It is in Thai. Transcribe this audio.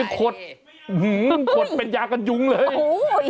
คดหือคดเป็นยากันยุ้งเลยโอ้โห